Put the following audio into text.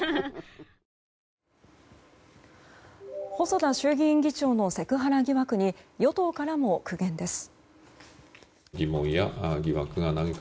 細田衆議院議長のセクハラ疑惑に与党からも苦言です。